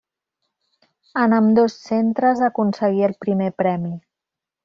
En ambdós centres aconseguí el primer premi.